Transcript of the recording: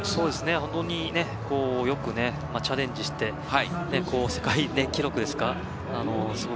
本当によくチャレンジして世界記録ですか。